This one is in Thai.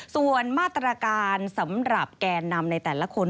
ส่วนมาตรการสำหรับแกนนำในแต่ละคน